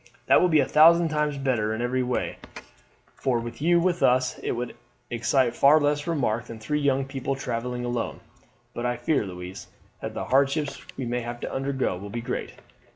"That will be a thousand times better in every way, for with you with us it would excite far less remark than three young people travelling alone. But I fear, Louise, that the hardships we may have to undergo will be great."